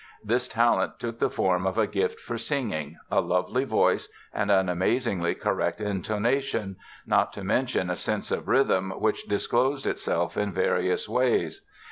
This talent took the form of a gift for singing, a lovely voice and an amazingly correct intonation, not to mention a sense of rhythm which disclosed itself in various ways.